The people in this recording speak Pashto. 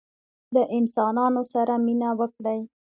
له انسانانو سره مینه وکړئ